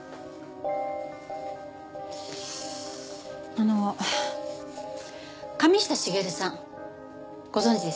あの神下茂さんご存じですよね？